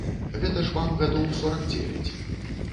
Гэта ж вам гадоў сорак дзевяць.